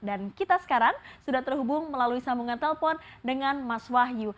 dan kita sekarang sudah terhubung melalui sambungan telpon dengan mas wahyu